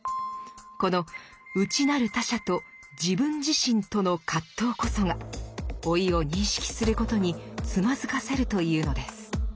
この内なる他者と自分自身との葛藤こそが老いを認識することにつまずかせるというのです。